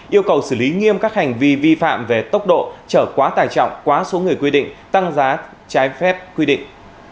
yêu cầu xử lý nghiêm các hành vi vi phạm về tốc độ trở quá tài trọng quá số người quy định tăng giá trái phép quy định